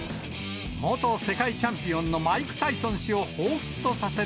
元世界チャンピオンのマイク・タイソン氏をほうふつとさせる